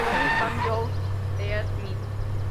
Tommy, Can You Hear Me?